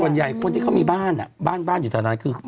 ส่วนใหญ่คนที่เขามีบ้านบ้านอยู่ตอนนั้นคือ